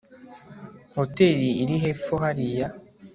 hoteri iri hepfo hariya